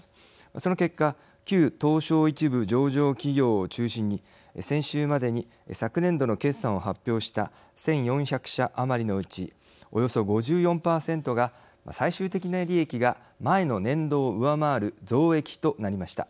その結果旧東証一部上場企業を中心に先週までに昨年度の決算を発表した１４００社余りのうちおよそ５４％が最終的な利益が前の年度を上回る増益となりました。